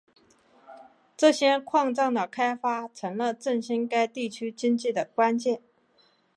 这些矿藏的开发成了振兴该地区经济的关键。